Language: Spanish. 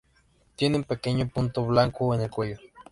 Tiene un pequeño punto blanco en el cuello.